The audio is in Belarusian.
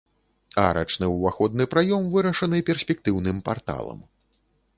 Арачны ўваходны праём вырашаны перспектыўным парталам.